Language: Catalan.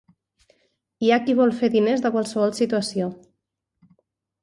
Hi ha qui vol fer diners de qualsevol situació.